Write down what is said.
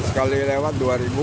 sekali lewat dua